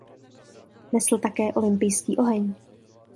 Nesl také olympijský oheň.